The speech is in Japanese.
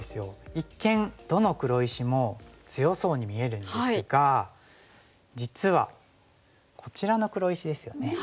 一見どの黒石も強そうに見えるんですが実はこちらの黒石ですよね。